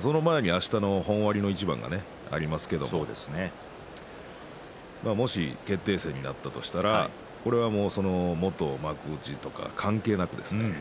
その前にあしたの本割の一番がありますけれどもし決定戦になったとしたらこれはもう元幕内とか関係ないですね。